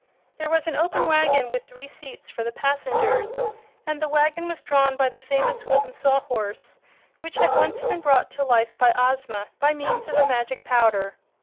There was an open wagon, with three seats for the passengers, and the wagon was drawn by the famous wooden Sawhorse which had once been brought to life by Ozma by means of a magic powder.